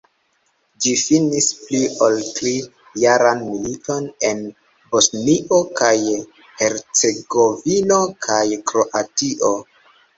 Ĝi finis pli-ol-tri-jaran militon en Bosnio kaj Hercegovino kaj Kroatio.